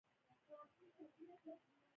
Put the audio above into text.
دا د فعالیتونو تطبیق له مهال ویش سره ده.